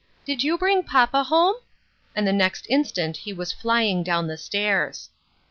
" Did you bring papa home ?" And the next instant he was flying down the stairs. AT HOME.